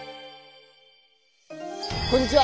こんにちは。